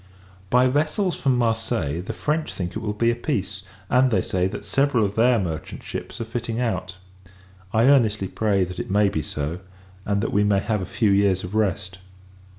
By vessels from Marseilles, the French think it will be a peace; and they say, that several of their merchant ships are fitting out. I earnestly pray, that it may be so; and, that we may have a few years of rest.